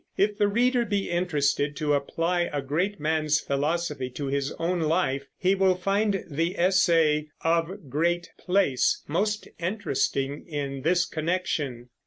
If the reader be interested to apply a great man's philosophy to his own life, he will find the essay, "Of Great Place," most interesting in this connection.